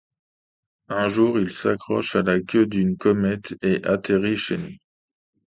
Un jour, il s’accroche à la queue d’une comète et atterrit chez nous.